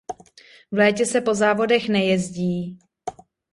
V létě se po závodech nejezdí.